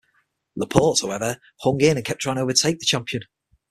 Laporte, however, hung in and kept trying to overtake the champion.